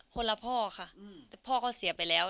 ละพ่อค่ะแต่พ่อก็เสียไปแล้ว